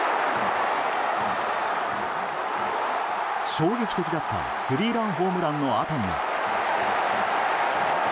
衝撃的だったスリーランホームランのあとには。